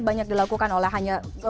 banyak dilakukan oleh hanya